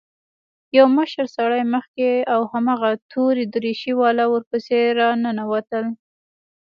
يو مشر سړى مخکې او هماغه تورې دريشۍ والا ورپسې راننوتل.